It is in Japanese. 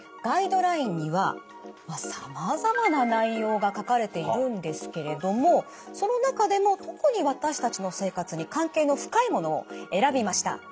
ガイドラインにはさまざま内容が書かれているんですけれどもその中でも特に私たちの生活に関係の深いものを選びました。